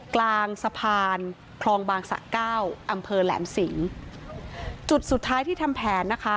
กลางสะพานคลองบางสะเก้าอำเภอแหลมสิงจุดสุดท้ายที่ทำแผนนะคะ